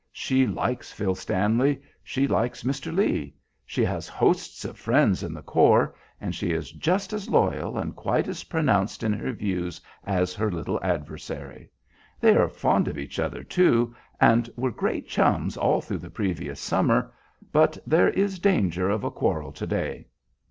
She likes Phil Stanley; she likes Mr. Lee; she has hosts of friends in the corps, and she is just as loyal and quite as pronounced in her views as her little adversary. They are fond of each other, too, and were great chums all through the previous summer; but there is danger of a quarrel to day.